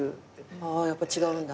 やっぱ違うんだ。